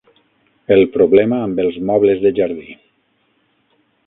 El problema amb els mobles de jardí.